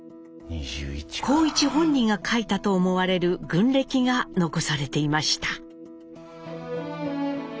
幸一本人が書いたと思われる軍歴が残されていました。